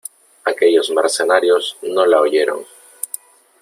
aquellos mercenarios no la oyeron .